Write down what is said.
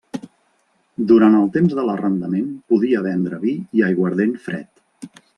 Durant el temps de l'arrendament podia vendre vi i aiguardent fred.